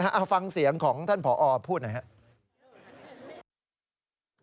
เอาฟังเสียงของท่านผอพูดหน่อยครับ